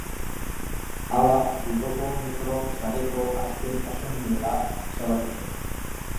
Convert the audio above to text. Hala, Bilboko metro sareko azken pasonibela ezabatu zen.